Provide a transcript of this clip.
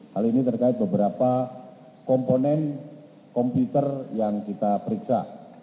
hal ini terkait beberapa komponen komputer yang kita periksa